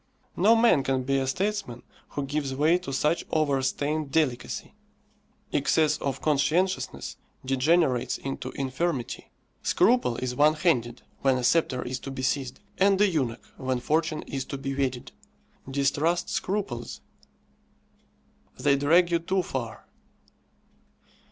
No man can be a statesman who gives way to such overstrained delicacy. Excess of conscientiousness degenerates into infirmity. Scruple is one handed when a sceptre is to be seized, and a eunuch when fortune is to be wedded. Distrust scruples; they drag you too far.